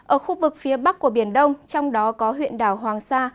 ở khu vực phía bắc của biển đông trong đó có huyện đảo hoàng sa